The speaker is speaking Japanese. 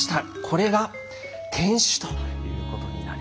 これが天酒ということになります。